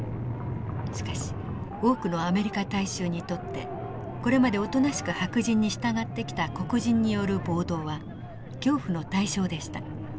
しかし多くのアメリカ大衆にとってこれまでおとなしく白人に従ってきた黒人による暴動は恐怖の対象でした。